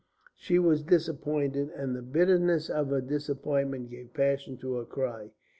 She was disappointed, and the bitterness of her disappointment gave passion to her cry.